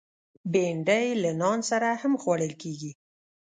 بېنډۍ له نان سره هم خوړل کېږي